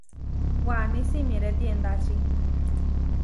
Waní simiré tiendáčí.